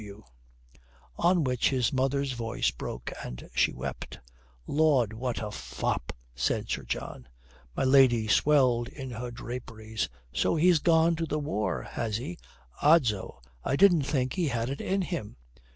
G.W." On which his mother's voice broke, and she wept. "Lord, what a fop!" said Sir John. My lady swelled in her draperies. "So he's gone to the war, has he? Odso, I didn't think he had it in him."